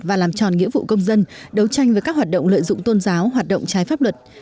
và làm tròn nghĩa vụ công dân đấu tranh với các hoạt động lợi dụng tôn giáo hoạt động trái pháp luật